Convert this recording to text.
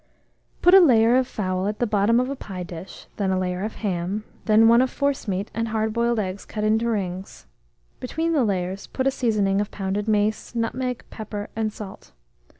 Put a layer of fowl at the bottom of a pie dish, then a layer of ham, then one of forcemeat and hard boiled eggs cut in rings; between the layers put a seasoning of pounded mace, nutmeg, pepper, and salt.